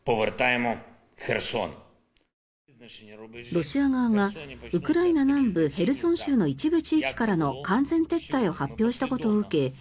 ロシア側がウクライナ南部ヘルソン州の一部地域からの完全撤退を発表したことを受け